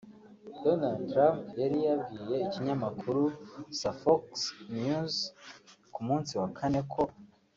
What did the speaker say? Donald Trump yari yabwiye ikinyamakuru ca Fox News ku musi wa kane ko